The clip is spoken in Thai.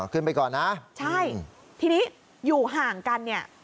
ขึ้นไปก่อนนะใช่ทีนี้อยู่ห่างกันเนี่ย